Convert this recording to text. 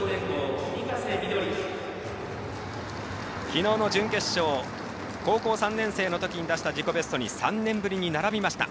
きのう準決勝高校３年生のときに出した自己ベストに３年ぶりに並びました。